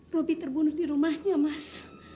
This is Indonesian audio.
roby terbunuh di rumahnya mas